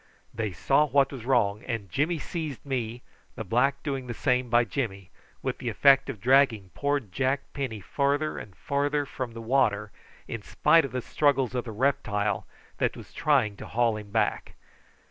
They saw what was wrong, and Jimmy seized me, the black doing the same by Jimmy, with the effect of dragging poor Jack Penny farther and farther from the water in spite of the struggles of the reptile that was trying to haul him back.